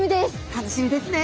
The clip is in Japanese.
楽しみですね。